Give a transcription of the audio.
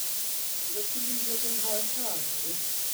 Fyddet ti'n meindio glanhau'r car heddiw?